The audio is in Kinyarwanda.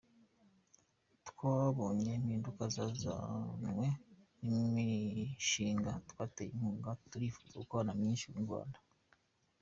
Twabonye impinduka zazanwe n’imishinga twateye inkunga, turifuza gukorana byinshi n’u Rwanda.